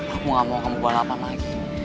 aku gak mau kamu balapan lagi